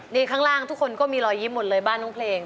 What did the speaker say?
นี่ข้างล่างทุกคนก็มีรอยยิ้มหมดเลยบ้านน้องเพลง